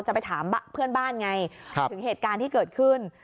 จะไปถามเพื่อนบ้านไงถึงเหตุการณ์ที่เกิดขึ้น